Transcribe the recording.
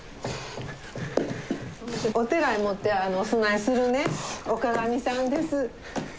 お寺へ持ってお供えするねお鏡さんです。